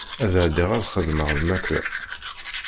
Ad ɛeddiɣ ad xedmeɣ lmakla.